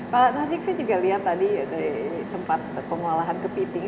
pak najib saya juga lihat tadi tempat pengolahan kepiting